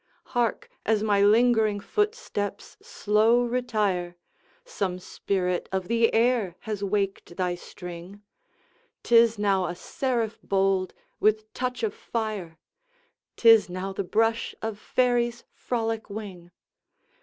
Hark! as my lingering footsteps slow retire, Some Spirit of the Air has waked thy string! 'Tis now a seraph bold, with touch of fire, 'Tis now the brush of Fairy's frolic wing.